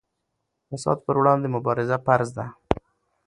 د فساد پر وړاندې مبارزه فرض ده.